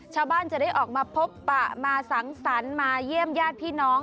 ชาวบ้านจะได้ออกมาพบปะมาสังสรรค์มาเยี่ยมญาติพี่น้อง